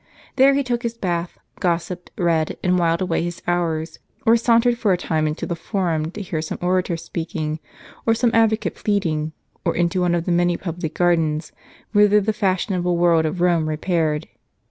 There he took his bath, gossiped, read, and whiled away his hours ; or sauntered for a time into the Forum to hear some orator speaking, or some advocate pleading, or into one of the many public gardens, whither the fashionable world of Rome repaired.